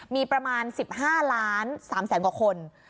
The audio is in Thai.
มีประมาณ๑๕ล้าน๓แสนกว่าคน